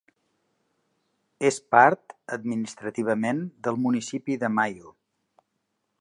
És part administrativament del municipi de Maio.